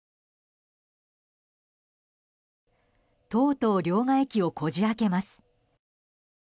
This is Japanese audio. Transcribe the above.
とうとう両替機をこじ開けます。